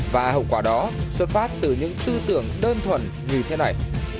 và hậu quả đó xuất phát từ những tư tưởng đơn thuần như thế này